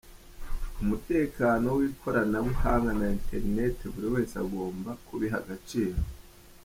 Umutekano w’ikoranabuhanga na internet buri wese agomba kubiha agaciro.